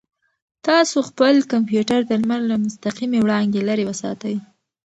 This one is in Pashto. تاسو خپل کمپیوټر د لمر له مستقیمې وړانګې لرې وساتئ.